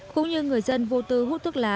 cũng như người dân vô tư hút thuốc lá